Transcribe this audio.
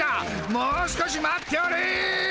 もう少し待っておれ！